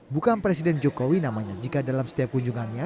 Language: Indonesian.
bukan presiden jokowi namanya jika dalam setiap kunjungannya